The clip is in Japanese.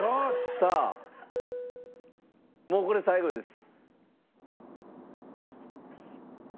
さあもうこれ最後です。